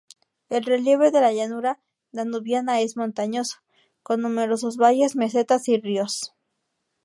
El relieve de la Llanura danubiana es montañoso, con numerosos valles, mesetas y ríos.